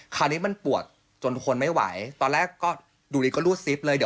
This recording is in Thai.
คราวนี้มันปวดจนทุกคนไม่ไหวตอนแรกดูนี้ก็รูดซิฟเลย